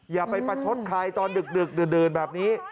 อย่าไปประชดใครตอนดึกดื่นแบบนี้